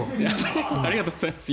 ありがとうございます。